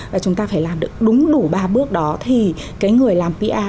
và chúng ta phải làm được đúng đủ ba bước đó thì cái người làm pa